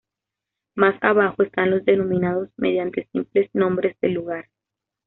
Más abajo están los denominados mediante simples nombres de lugar.